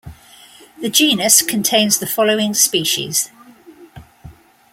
The genus contains the following species.